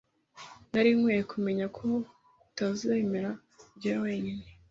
Nari nkwiye kumenya ko utazemera kujyayo wenyine